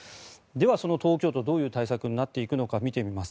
その東京都どういう対策になっていくのか見ていきます。